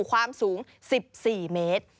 ความสูง๑๔เมตร